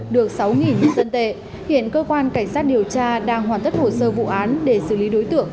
được sáu nhân dân tệ hiện cơ quan cảnh sát điều tra đang hoàn tất hồ sơ vụ án để xử lý đối tượng